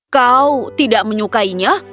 kau tidak menyukainya